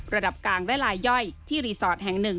กลางและลายย่อยที่รีสอร์ทแห่ง๑